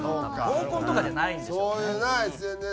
合コンとかじゃないんでしょうね。